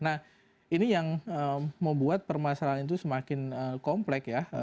nah ini yang membuat permasalahan itu semakin kompleks